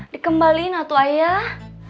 dikembalikan aduh ayah